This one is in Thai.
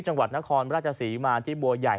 จังหวัดนครราชศรีมาที่บัวใหญ่